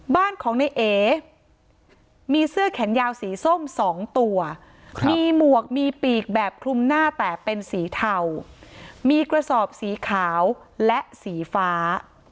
บ้านของในเอมีเสื้อแขนยาวสีส้ม๒ตัวมีหมวกมีปีกแบบคลุมหน้าแต่เป็นสีเทามีกระสอบสีขาวและสีฟ้า